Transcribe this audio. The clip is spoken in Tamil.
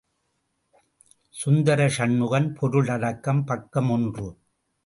சுந்தர சண்முகன் பொருளடக்கம் பக்கம் ஒன்று.